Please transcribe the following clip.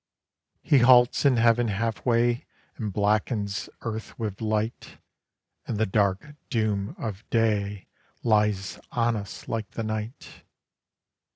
He halts in heav'n half way And blackens earth with light; And the dark doom of day Lies on us like the night.